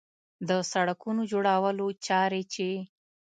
د سړکونو جوړولو چارې چې